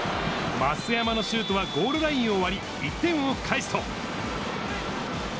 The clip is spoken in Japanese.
増山のシュートはゴールラインを割り、１点を返すと。